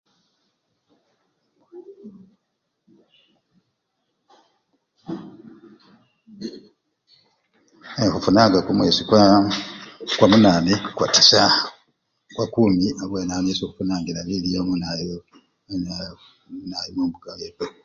Ee! khufunanga mumwesi kwamunane kwa tisa ne khwa kumi abwenawo esi khufunangila bilyo munawoyu! muna! mumbuka1 yefwe.